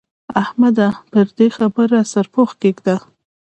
احمده! پر دې خبره سرپوښ کېږده.